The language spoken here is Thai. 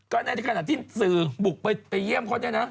ก็ในขณะที่สื่อบุกไปเยี่ยมเขาเนี่ยนะ